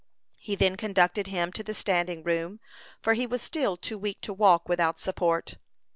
He then conducted him to the standing room, for he was still too weak to walk without support.